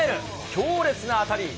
強烈な当たり。